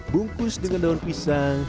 bungkus dengan daun pisang